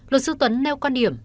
luật sư tuấn nêu quan điểm